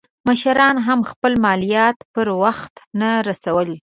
مشرانو هم خپل مالیات پر وخت نه رسول.